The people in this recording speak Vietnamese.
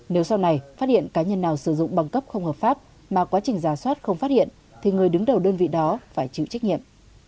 nếu sau này phát hiện cá nhân nào sử dụng băng cấp không hợp pháp mà quá trình giả soát không phát hiện thì người đứng đầu đơn vị đó phải chịu trách nhiệm